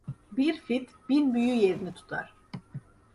Bir fit bin büyü yerini tutar.